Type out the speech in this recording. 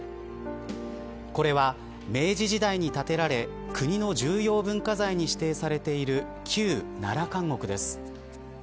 これは明治時代に建てられ国の重要文化財に指定されている旧奈良監獄です。